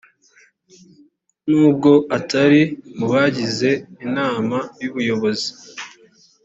nubwo atari mubagize inama y ubuyobozi